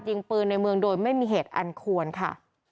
ยิงปืนในเมืองโดยไม่มีเหตุอันควรค่ะ